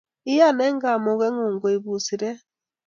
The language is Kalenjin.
Iyan eng kamugengung koibun siret